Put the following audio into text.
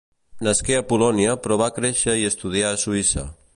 Nasqué a Polònia però va créixer i estudià a Suïssa.